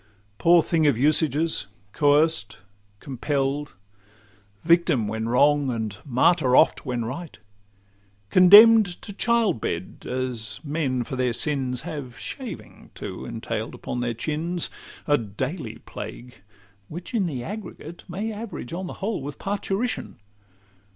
Poor thing of usages! coerced, compell'd, Victim when wrong, and martyr oft when right, Condemn'd to child bed, as men for their sins Have shaving too entail'd upon their chins,— A daily plague, which in the aggregate May average on the whole with parturition.